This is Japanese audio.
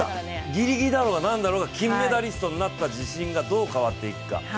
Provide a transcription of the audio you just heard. ぎりぎりだろうがなんだろうが金メダリストになった自信がどう変わっていくか。